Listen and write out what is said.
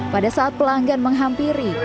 pada saat pelanggan menghampiri